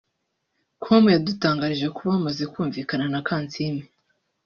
com yadutangarije ko bamaze kumvikana na Kansiime